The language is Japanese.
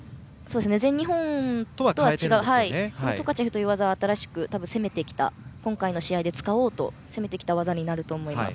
全日本とは違ってトカチェフという技は新しく攻めてきた今回の試合で使おうと攻めてきた技になったと思います。